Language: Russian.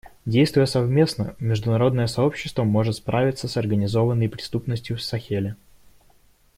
Действуя совместно, международное сообщество может справиться с организованной преступностью в Сахеле.